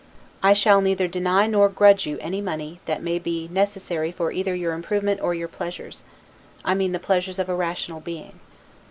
I shall neither deny nor grudge you any money, that may be necessary for either your improvement or your pleasures: I mean the pleasures of a rational being.